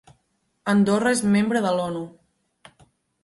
Andorra és membre de l'ONU.